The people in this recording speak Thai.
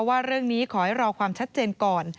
ว่าเรื่องนี้ขอให้รอความชัดเจนก่อน